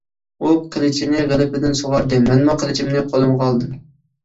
ئۇ قىلىچىنى غىلىپىدىن سۇغاردى، مەنمۇ قىلىچىمنى قولۇمغا ئالدىم.